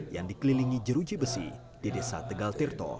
yang dikelilingi jeruji besi di desa tegal tirto